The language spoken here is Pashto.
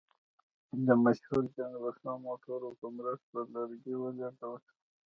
د مشهور جنګسالار موټرو په مرسته لرګي ولېږدول شول.